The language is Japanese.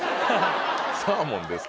サーモンですか？